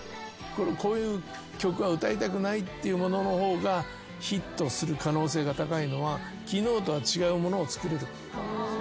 「こういう曲は歌いたくない」っていうものの方がヒットする可能性が高いのは昨日とは違うものを作れるか。